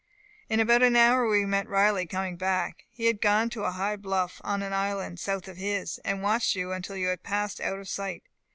"In about an hour we met Riley coming back. He had gone to a high bluff, on an island south of his, and watched you until you had passed out of sight.